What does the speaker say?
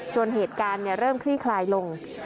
เหตุการณ์เริ่มคลี่คลายลง